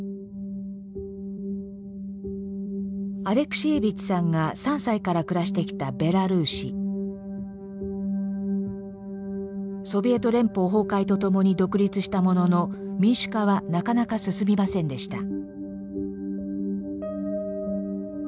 アレクシエービッチさんが３歳から暮らしてきたソビエト連邦崩壊とともに独立したものの民主化はなかなか進みませんでした。